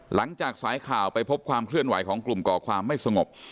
หลังจากสายข่าวไปพบความเคลื่อนไหวของกลุ่มก่อความไม่สงบ